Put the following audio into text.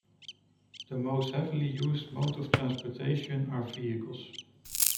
The most heavily used mode of transportation are vehicles.